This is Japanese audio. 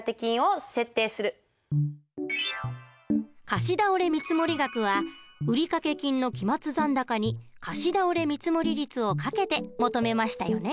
貸倒見積額は売掛金の期末残高に貸倒見積率を掛けて求めましたよね。